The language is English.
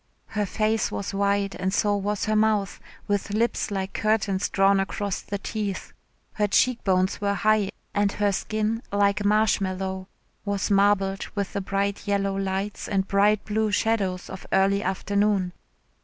Her face was wide and so was her mouth with lips like curtains drawn across the teeth. Her cheek bones were high and her skin, like marshmallow, was marbled with the bright yellow lights and bright blue shadows of early afternoon.